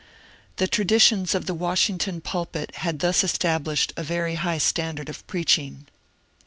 The traditions of the Washington pulpit had thus estab lished a very high standard of preaching.